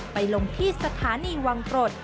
ไปลงที่สถานีวังโปรด